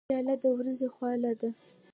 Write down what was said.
پیاله د ورځو خواله ده.